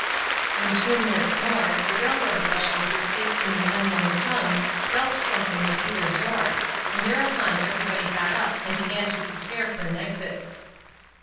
In two minutes more the railroad official who speaks in the unknown tongue yelped something at either door, and thereupon everybody got up and began to prepare for an exit.